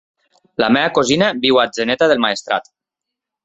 La meva cosina viu a Atzeneta del Maestrat.